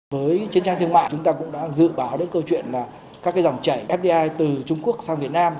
với chiến trang thương mại chúng ta cũng đã dự báo đến câu chuyện là các cái dòng chảy fdi từ trung quốc sang việt nam